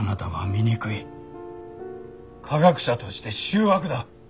科学者として醜悪だ。